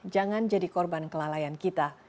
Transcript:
jangan jadi korban kelalaian kita